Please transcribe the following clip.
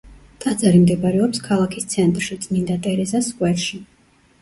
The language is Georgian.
ტაძარი მდებარეობს ქალაქის ცენტრში, წმინდა ტერეზას სკვერში.